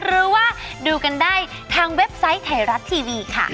หรือว่าดูกันได้ทางเว็บไซต์ไทยรัฐทีวีค่ะ